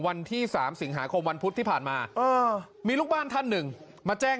วันที่๓สิงหาคมวันพุธที่ผ่านมามีลูกบ้านท่านหนึ่งมาแจ้ง